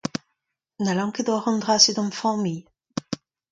Ne c'hallan ket ober an dra-se da'm familh.